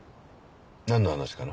何の話かな？